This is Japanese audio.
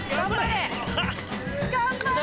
頑張れ！